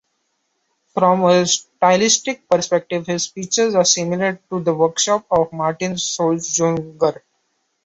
From a stylistic perspective, his pictures are similar to the workshop of Martin Schongauer.